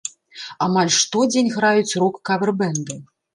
Амаль штодзень граюць рок-кавер-бэнды.